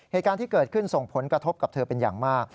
เหตุการณ์ที่เกิดขึ้นส่งผลกระทบกับเธอเป็นอย่างมาก